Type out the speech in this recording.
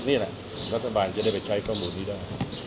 นี่แหละรัฐบาลจะได้ไปใช้ข้อมูลนี้ได้